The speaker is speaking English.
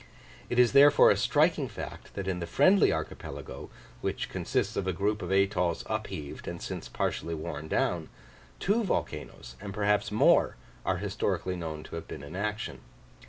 It is, therefore, a striking fact that in the Friendly archipelago, which consists of a group of atolls upheaved and since partially worn down, two volcanos, and perhaps more, are historically known to have been in action.